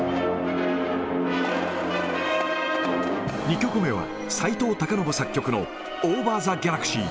２曲目は、斎藤たかのぶ作曲のオーバー・ザ・ギャラクシー。